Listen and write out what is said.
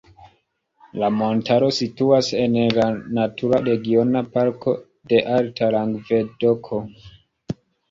La montaro situas en la Natura Regiona Parko de Alta Langvedoko.